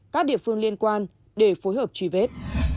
các địa phương liên quan để phối hợp truy vết